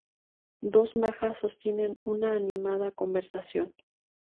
Dos majas sostienen una animada conversación.